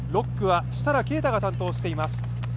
６区は設楽啓太が担当してます。